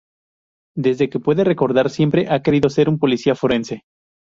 Desde que puede recordar siempre ha querido ser un policía forense.